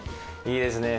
いいですね